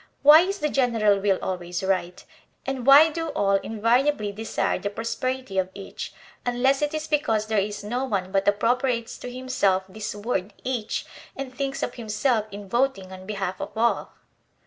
Why is the general will always right, and why do all invariably desire the prosperity of each, unless it is because there is no one but appropriates to himself this word each and thinks of himself in voting on behalf of all?